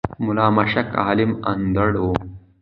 ملا مُشک عالَم اندړ وو